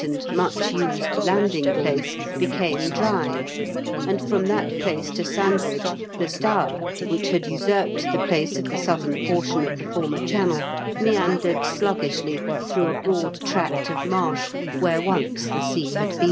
and much used landing place, became dry; and from that place to Sandwich the Stour, which had usurped the place of the southern portion of the former channel, meandered sluggishly through a broad tract of marsh where once the sea had been.